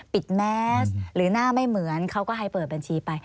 แมสหรือหน้าไม่เหมือนเขาก็ให้เปิดบัญชีไป